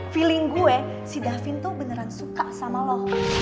feeling gue si davin tuh beneran suka sama lo